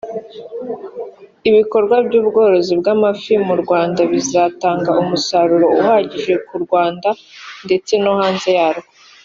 Ibikorwa by’ubworozi bw’amafi mu Rwanda bizatanga umusaruro uhagije ku Rwanda ndetse no hanze yarwo